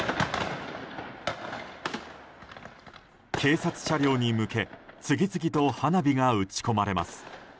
警察車両に向け次々と花火が打ち込まれます。